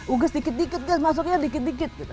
uh guys dikit dikit guys masuknya dikit dikit